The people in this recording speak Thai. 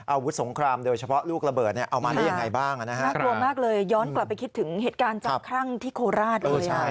อาวุธสงครามโดยเฉพาะลูกระเบิดเอามาได้อย่างไรบ้างนะครับ